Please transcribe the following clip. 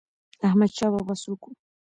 احمد شاه بابا څوک و؟